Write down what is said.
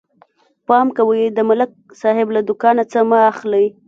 پام کوئ، د ملک صاحب له دوکان څه مه اخلئ.